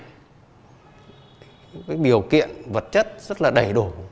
những cái biểu kiện vật chất rất là đầy đủ